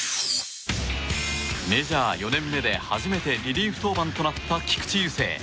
メジャー４年目で初めてリリーフ登板となった菊池雄星。